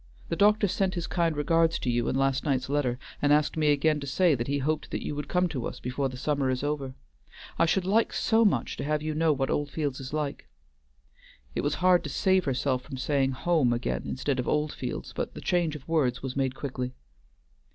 The doctor sent his kind regards to you in last night's letter, and asked me again to say that he hoped that you would come to us before the summer is over. I should like so much to have you know what Oldfields is like." It was hard to save herself from saying "home" again, instead of Oldfields, but the change of words was made quickly.